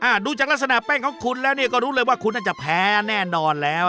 ดูจากลักษณะแป้งของคุณแล้วเนี่ยก็รู้เลยว่าคุณน่าจะแพ้แน่นอนแล้ว